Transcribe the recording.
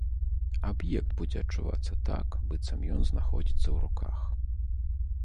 Аб'ект будзе адчувацца так, быццам ён знаходзіцца ў руках.